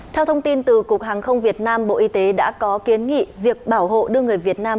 theo thông tin từ cục hàng không việt nam bộ y tế đã có kiến nghị việc bảo hộ đưa người việt nam